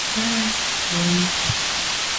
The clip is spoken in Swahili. ya mahali patakatifu pawili kwa kumaanisha miji